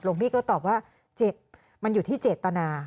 พี่ก็ตอบว่ามันอยู่ที่เจตนา